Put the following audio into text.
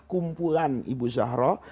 kumpulan ibu zahra